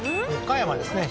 岡山ですね